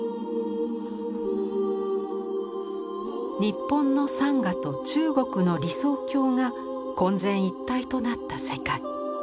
日本の山河と中国の理想郷が混然一体となった世界。